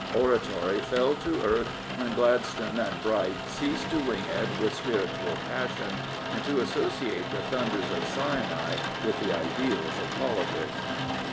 Oratory fell to earth when Gladstone and Bright ceased to wing it with spiritual passion, and to associate the thunders of Sinai with the ideals of politics.